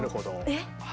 えっ？